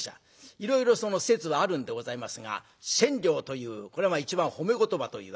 いろいろ説はあるんでございますが千両というこれは一番褒め言葉というわけで。